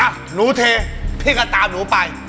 หนูเทพี่ก็ตามหนูไป